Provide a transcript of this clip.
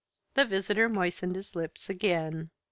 The visitor moistened his lips again.